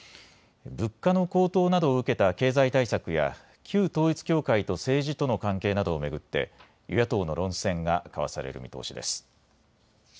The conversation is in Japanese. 物価の高騰などを受けた経済対策や旧統一教会と政治との関係などを巡って与野党の論戦が交わされる見通しです。